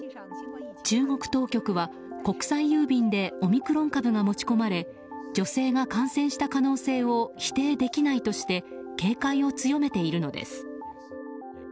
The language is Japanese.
中国当局は、国際郵便でオミクロン株が持ち込まれ女性が感染した可能性を否定できないとして警戒を強めているのです。